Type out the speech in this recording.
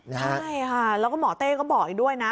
ใช่ค่ะแล้วก็หมอเต้ก็บอกอีกด้วยนะ